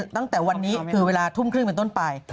ตั้งแต่วันนี้คือเวลาทุ่มครึ่งเป็นต้นไป